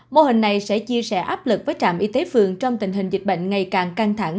mô hình này sẽ chia sẻ áp lực với trạm y tế phường trong tình hình dịch bệnh ngày càng căng thẳng